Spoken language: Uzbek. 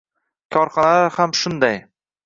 Korxonalar ham shunday –